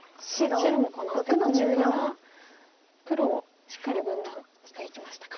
白もこのアテコミから黒をしっかり分断していきましたか。